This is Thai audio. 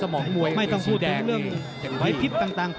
ไม่ต้องพูดถึงเรื่องไวพิษต่าง